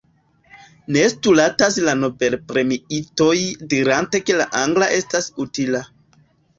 Ne stultas la nobelpremiitoj dirante ke la angla estas utila.